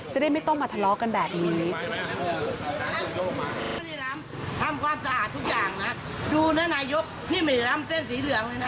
จะได้ไม่ต้องมาทะเลาะกันแบบนี้